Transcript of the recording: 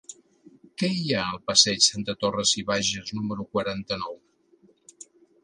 Què hi ha al passeig de Torras i Bages número quaranta-nou?